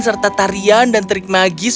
serta tarian dan trik magis